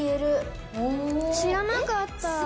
知らなかった。